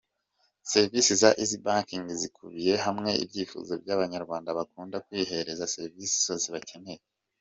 Serivisi za Eazzy Banking zikubiye hamwe ibyifuzo by’Abanyarwanda bakunda kwihereza serivisi zose bakeneye.